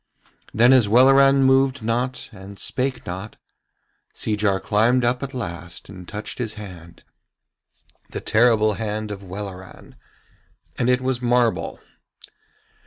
Then as Welleran moved not and spake not, Seejar climbed up at last and touched his hand, the terrible hand of Welleran, and it was marble.